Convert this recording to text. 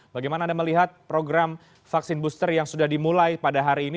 bagaimana anda melihat program vaksin booster yang sudah dimulai pada hari ini